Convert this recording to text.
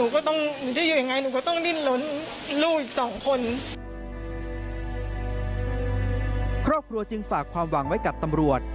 ครอบครัวจึงฝากความหวังไว้กับตำรวจ